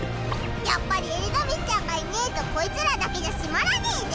やっぱりエリザベスちゃんがいねぇとこいつらだけじゃ締まらねぇぜ。